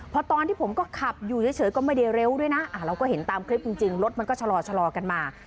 พอตอนที่ผมก็ขับอยู่เฉยก็ไม่ได้เร็วด้วยนะเราก็เห็นตามคลิปจริงรถมันก็ชะลอกันมา